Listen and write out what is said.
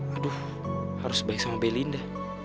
aduh harus baik sama belinda